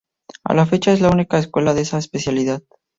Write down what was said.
A la fecha, es la única escuela de esa especialidad.